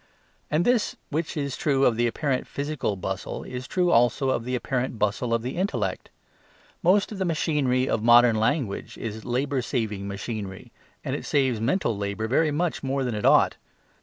And this which is true of the apparent physical bustle is true also of the apparent bustle of the intellect. Most of the machinery of modern language is labour saving machinery; and it saves mental labour very much more than it ought.